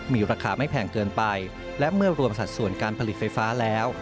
มีราคาไม่แพงเกินไปและเมื่อรวมสัดส่วนการผลิตไฟฟ้าแล้ว